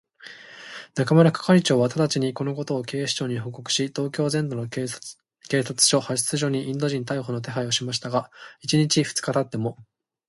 中村係長はただちに、このことを警視庁に報告し、東京全都の警察署、派出所にインド人逮捕の手配をしましたが、一日たち二日たっても、